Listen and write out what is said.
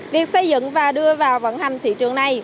việc xây dựng và đưa vào vận hành thị trường này